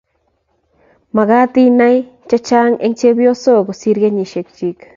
magat inai chechang eng chepyoso kosir kenyishek chiik